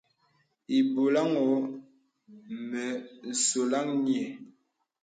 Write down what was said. Ìbɔlàŋ ɔ̄ɔ̄ mə sɔlaŋ nyɛ.